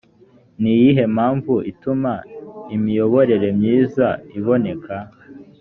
ni iyihe mpamvu ituma imiyoborere myiza iboneka